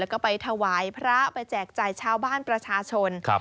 แล้วก็ไปถวายพระไปแจกจ่ายชาวบ้านประชาชน